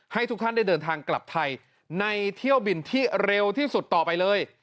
ให้ทุกท่านได้เดินทางกลับไทยในเที่ยวบินที่เร็วที่สุดต่อไปเลย